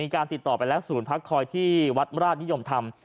การติดต่อไปแล้วศูนย์พักคอยที่วัดราชนิยมธรรม